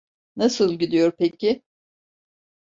Nasıl gidiyor peki?